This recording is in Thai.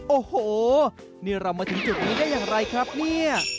โอ้โหนี่เรามาถึงจุดนี้ได้อย่างไรครับเนี่ย